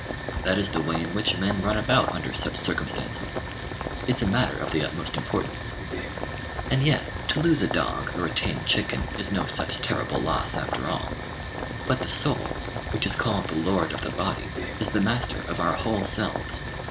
That is the way in which men run about under such circumstances. It's a matter of the utmost importance. And yet to lose a dog or a tame chicken is no such terrible loss after all. But the soul, which is called the lord of the body, is the master of our whole selves.